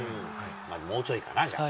もうちょいかな、じゃあ。